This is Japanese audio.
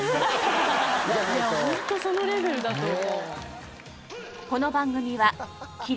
ホントそのレベルだと思う。